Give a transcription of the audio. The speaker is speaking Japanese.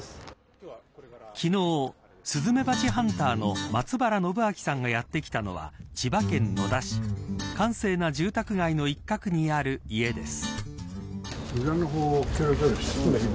昨日、スズメバチハンターの松原暢明さんがやってきたのは千葉県野田市閑静な住宅街の一角にある家です。